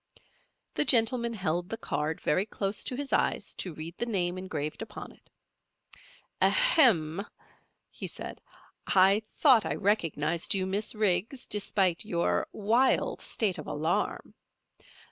The gentleman held the card very close to his eyes to read the name engraved upon it. "Ahem!" he said. "I thought I recognized you, Miss Riggs, despite your wild state of alarm.